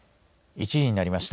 １時になりました。